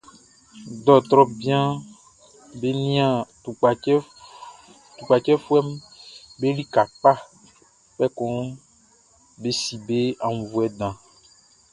Dɔɔtrɔʼm be nian tukpacifuɛʼm be lika kpa, kpɛkun be si be aunnvuɛ dan.